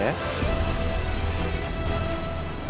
kalau anda tidak ceritakan semuanya ke saya